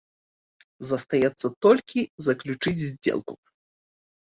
Застаецца толькі заключыць здзелку.